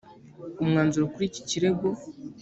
umwanzuro kuri iki kirego